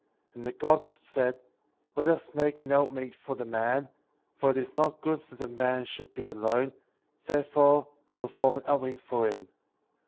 14. And the Gods said: Let us make an help meet for the man, for it is not good that the man should be alone, therefore we will form an help meet for him.'